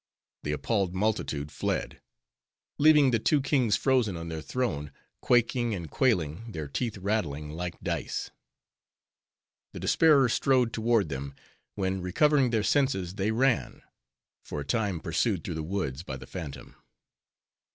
the appalled multitude fled; leaving the two kings frozen on their throne, quaking and quailing, their teeth rattling like dice. The Despairer strode toward them; when, recovering their senses, they ran; for a time pursued through the woods by the phantom.